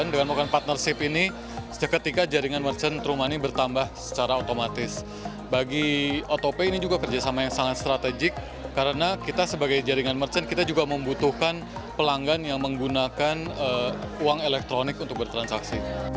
dengan merchant kita juga membutuhkan pelanggan yang menggunakan uang elektronik untuk bertransaksi